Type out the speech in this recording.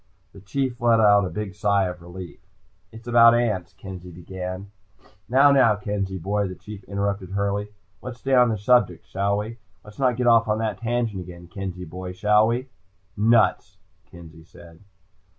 The Chief let out a big sigh of relief. "It's about ants," Kenzie began. "Now, now, Kenzie boy," the Chief interrupted hurriedly. "Let's stay on the subject, shall we? Let's not get off on that tangent again, Kenzie boy. Shall we?" "Nuts," Kenzie said.